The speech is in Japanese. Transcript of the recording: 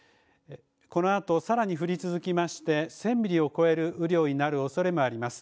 このあと、さらに降り続きまして、１０００ミリを超える雨量になるおそれもあります。